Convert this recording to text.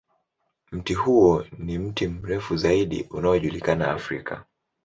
Mti huo ni mti mrefu zaidi unaojulikana Afrika.